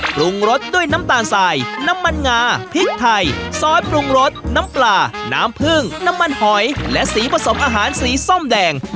ปรุงรสด้วยน้ำตาลสายน้ำมันงาพริกไทยซอสปรุงรสน้ำปลาน้ำผึ้งน้ำมันหอยและสีผสมอาหารสีส้มแดง